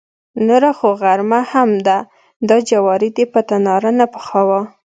نوره خو غرمه هم ده، دا جواری دې په تناره نه پخاوه.